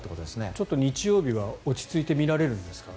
ちょっと日曜日は落ち着いて見られるんですか？